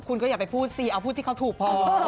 คุณก็อย่าไปพูดสิเอาพูดที่เขาถูกพอ